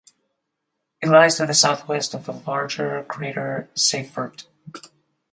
It lies to the southwest of the larger crater Seyfert.